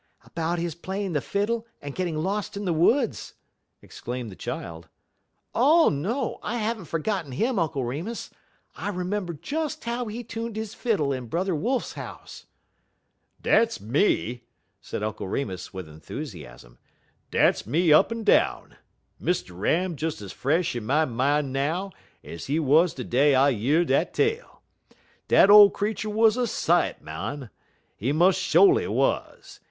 "About his playing the fiddle and getting lost in the woods!" exclaimed the child. "Oh, no, I have n't forgotten him, Uncle Remus. I remember just how he tuned his fiddle in Brother Wolf's house." "Dat's me!" said Uncle Remus with enthusiasm; "dat's me up en down. Mr. Ram des ez fresh in my min' now ez he wuz de day I year de tale. Dat ole creetur wuz a sight, mon. He mos' sho'ly wuz.